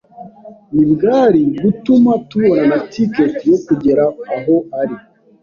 ntibwari gutuma tubona na ticket yo kugera aho ari.